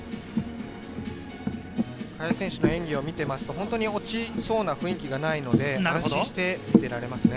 萱選手の演技を見ていると、落ちそうな雰囲気がないので安心して見ていられますね。